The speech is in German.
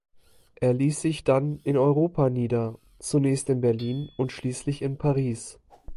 Er ließ sich dann in Europa nieder, zunächst in Berlin und schließlich in Paris.